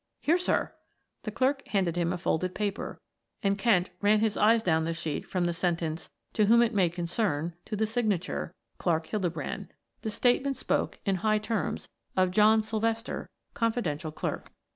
"Here, sir." The clerk handed him a folded paper, and Kent ran his eyes down the sheet from the sentence: "To whom it may concern" to the signature, Clark Hildebrand. The statement spoke in high terms of John Sylvester, confidential clerk.